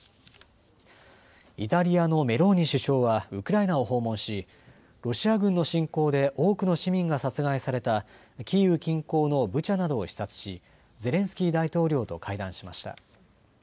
イタリアのメローニ首相はウクライナを訪問しロシア軍の侵攻で多くの市民が殺害されたキーウ近郊のブチャなどを視察しゼレンスキー大統領と会談しました。